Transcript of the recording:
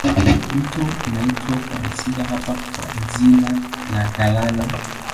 Mto unaitwa kuanzia hapa kwa jina la Galana.